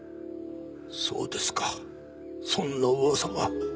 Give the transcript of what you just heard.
そうですかそんな噂が。